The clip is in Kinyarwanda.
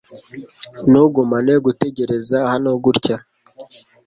Ntugumane gutegereza hano gutya.